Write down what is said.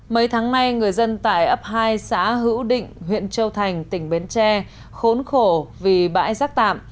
mấy tháng nay người dân tại ấp hai xã hữu định huyện châu thành tỉnh bến tre khốn khổ vì bãi rác tạm